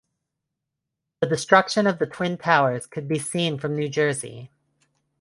The destruction of the twin towers could be seen from New Jersey.